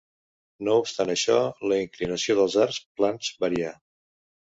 No obstant això, la inclinació dels arcs plans varia.